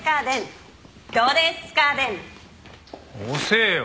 遅えよ。